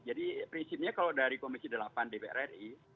jadi prinsipnya kalau dari komisi delapan dpr ri